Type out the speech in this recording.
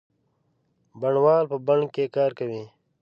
بڼوال په بڼ کې کار کوي.